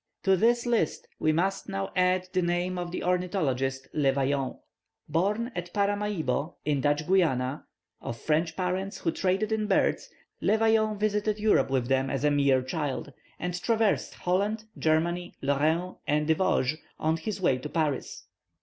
To this list we must now add the name of the ornithologist Le Vaillant. Born at Paramaribo, in Dutch Guiana, of French parents, who traded in birds, Le Vaillant visited Europe with them as a mere child, and traversed Holland, Germany, Lorraine, and the Vosges, on his way to Paris.